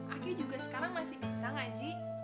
aki juga sekarang masih bisa ngaji